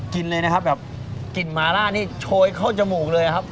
กินเลยนะครับแบบกลิ่นมาร่านี่โชยเข้าจมูกเลยครับ